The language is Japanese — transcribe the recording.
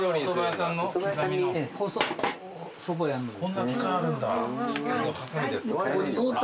こんな機械あるんだ。